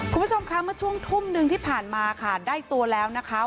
คุณผู้ชมคะเมื่อช่วงทุ่มหนึ่งที่ผ่านมาค่ะได้ตัวแล้วนะคะ